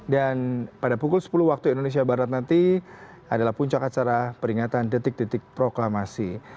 dan pada pukul sepuluh waktu indonesia barat nanti adalah puncak acara peringatan detik detik proklamasi